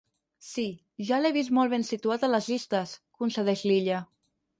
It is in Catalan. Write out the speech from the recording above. Sí, ja l'he vist molt ben situat a les llistes —concedeix l'Illa—.